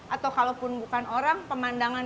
atau kalau pun bukan orang pemandangan